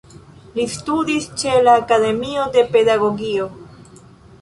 Li studis ĉe la Akademio de Pedagogio.